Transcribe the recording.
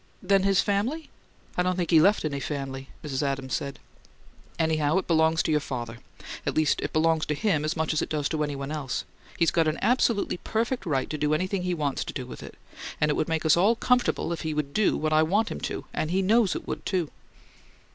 "Then his family " "I don't think he left any family," Mrs. Adams said. "Anyhow, it belongs to your father. At least it belongs to him as much as it does to any one else. He's got an absolutely perfect right to do anything he wants to with it, and it would make us all comfortable if he'd do what I want him to and he KNOWS it would, too!"